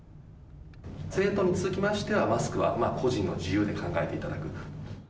生徒につきましては、マスクは個人の自由で考えていただく。